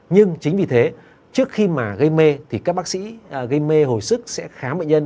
nhưng chính vì thế trước khi gây mê các bác sĩ gây mê hồi sức sẽ khám bệnh nhân